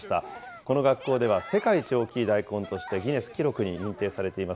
この学校では世界一大きい大根としてギネス記録に認定されています